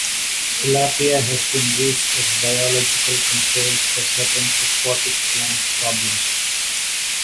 Tilapia has been used as biological controls for certain aquatic plant problems.